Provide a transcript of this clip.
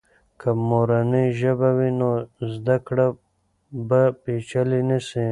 که مورنۍ ژبه وي، نو زده کړه به پیچلې نه سي.